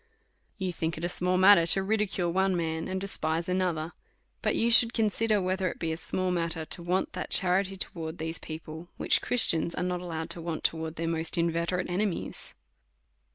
You think it a small matter to ridicule one man, and despise another ; but you should consider, whether it be a small matter to want that charity towards these people, which Christians are not allowed to want to wards their most inveterate enemies.